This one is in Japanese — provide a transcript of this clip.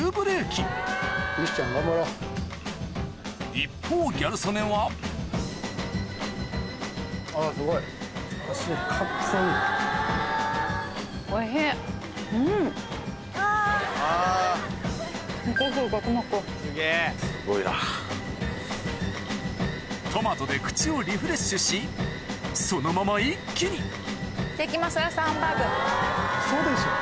一方ギャル曽根はトマトで口をリフレッシュしそのまま一気にいきます。